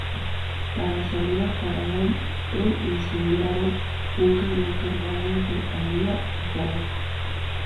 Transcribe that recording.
A la salida, pararon e incendiaron un camión cargado de harina y tabaco.